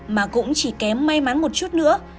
mà cũng chỉ kém may mắn một chút nữa